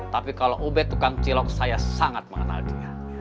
tapi kalau ubed tukang cilok saya sangat mengenal dia